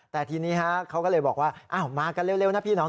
แต่ทีนี้เขาก็เลยบอกว่ามากันเร็วนะพี่น้อง